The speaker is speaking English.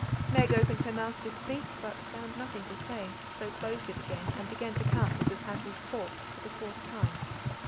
Meg opened her mouth to speak, but found nothing to say, so closed it again and began to count Mrs. Hassal's forks for the fourth time.